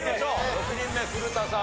６人目古田さん